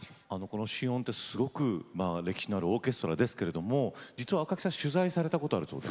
このシオンは歴史のあるオーケストラですけれども赤木さん、取材されたことあるんですね。